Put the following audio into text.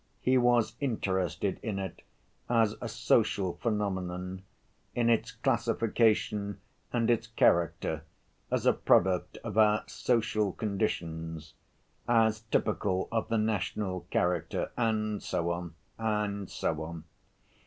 He was interested in it as a social phenomenon, in its classification and its character as a product of our social conditions, as typical of the national character, and so on, and so on.